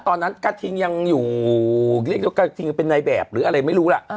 ตอนนั้นกระทิงยังอยู่เรียกว่ากระทิงเป็นในแบบหรืออะไรไม่รู้ล่ะ